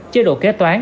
chế độ kế toán